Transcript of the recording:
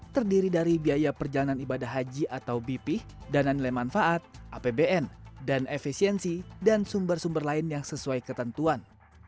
terdiri dari biaya perjalanan ibadah haji atau bp dana nilai manfaat apbn dan efisiensi dan sumber sumber lain yang sesuai ketentuan